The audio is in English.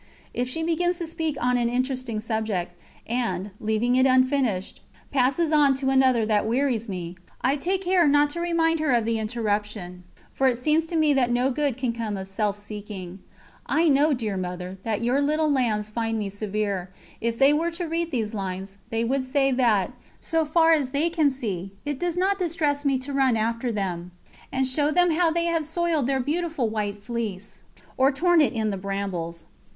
If she begins to speak on an interesting subject, and, leaving it unfinished, passes on to another that wearies me, I take care not to remind her of the interruption, for it seems to me that no good can come of self seeking. I know, dear Mother, that your little lambs find me severe; if they were to read these lines, they would say that, so far as they can see, it does not distress me to run after them, and show them how they have soiled their beautiful white fleece, or torn it in the brambles.